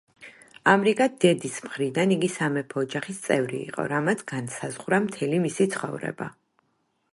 ამრიგად, დედის მხრიდან იგი სამეფო ოჯახის წევრი იყო, რამაც განსაზღვრა მთელი მისი ცხოვრება.